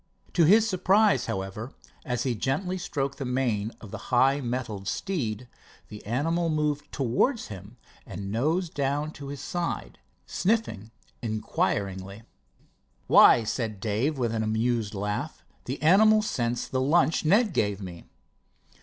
To his surprise, however, as he gently stroked the mane of the high mettled steed, the animal moved toward him and nosed down to his side, sniffing inquiringly. "Why," said Dave with an amused laugh, "the animal scents the lunch Ned gave me."